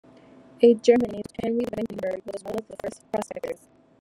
A German named Henry Wickenburg was one of the first prospectors.